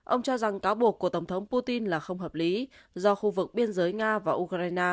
ông cho rằng cáo buộc của tổng thống putin là không hợp lý do khu vực biên giới nga và ukraine